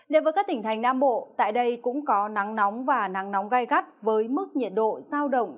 đến với các tỉnh thành nam bộ tại đây cũng có nắng nóng và nắng nóng gai gắt với mức nhiệt độ giao động